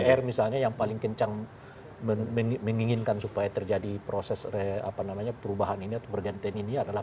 dpr misalnya yang paling kencang menginginkan supaya terjadi proses apa namanya perubahan ini atau pergantian ini adalah